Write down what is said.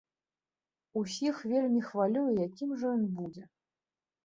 Усіх вельмі хвалюе, якім жа ён будзе.